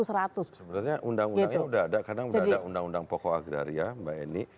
sebenarnya undang undangnya sudah ada karena sudah ada undang undang pokok agraria mbak eni